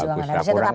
harusnya tetap menjaga